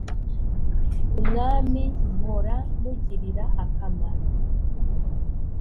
umwami mpora mugirira akamaro